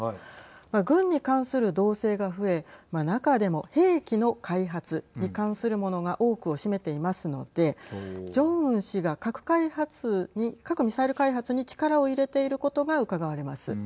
軍に関する動静が増え中でも兵器の開発に関するものが多くを占めていますのでジョンウン氏が核・ミサイル開発に力を入れていることがうかがわれます。